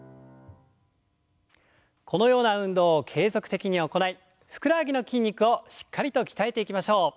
このような運動を継続的に行いふくらはぎの筋肉をしっかりと鍛えていきましょう。